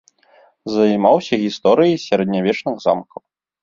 Займаўся гісторыяй сярэднявечных замкаў.